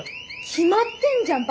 決まってんじゃん。